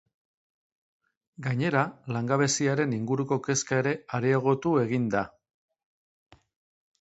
Gainera langabeziaren inguruko kezka ere areagotu egin da.